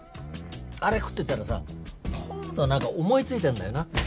あれ食ってたらさポンッとなんか思いついたんだよな。